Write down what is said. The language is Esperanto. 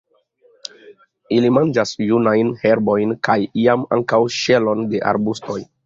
Ili manĝas junajn herbojn, kaj iam ankaŭ ŝelon de arbustoj.